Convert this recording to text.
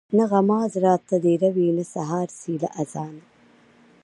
نه غماز راته دېره وي نه سهار سي له آذانه !.